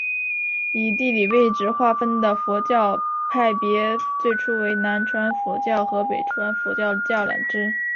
以地理位置划分的佛教派别最初为南传佛教和北传佛教两支。